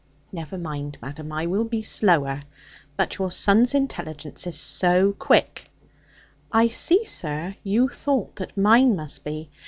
'Never mind, madam; I will be slower. But your son's intelligence is so quick ' 'I see, sir; you thought that mine must be.